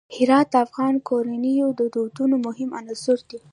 هرات د افغان کورنیو د دودونو مهم عنصر دی.